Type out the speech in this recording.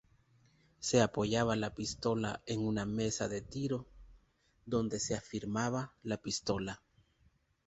Se apoyaba la pistola en una mesa de tiro, donde se afirmaba la pistola.